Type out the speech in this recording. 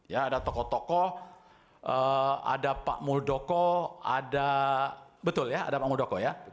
ya ada tokoh tokoh ada pak muldoko ada betul ya ada pak muldoko ya